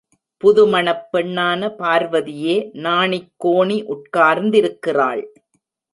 புது மணப் பெண்ணான பார்வதியே நாணிக்கோணி உட்கார்ந்திருக்கிறாள்.